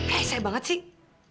reset banget sih